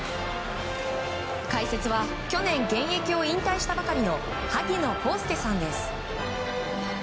解説は去年現役を引退したばかりの萩野公介さんです。